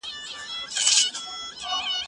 زه کولای شم کتاب ولولم؟!